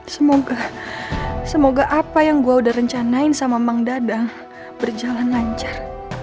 semoga semoga apa yang gue udah rencanain sama mang dada berjalan lancar